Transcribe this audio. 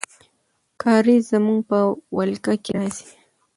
کارېز زموږ په ولکه کې راځي.